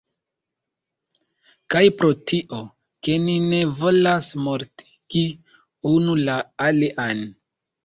Kaj pro tio, ke ni ne volas mortigi unu la alian